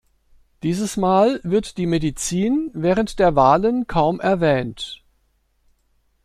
Dieses Mal wird die Medizin während der Wahlen kaum erwähnt.